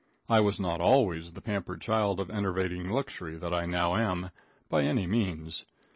I was not always the pampered child of enervating luxury that I now am, by any means.